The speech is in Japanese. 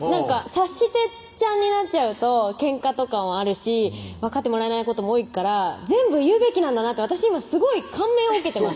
察してちゃんになっちゃうとけんかとかもあるし分かってもらえないことも多いから全部言うべきなんだなって私今すごい感銘を受けてます